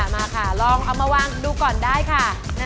มาค่ะลองเอามาวางดูก่อนได้ค่ะ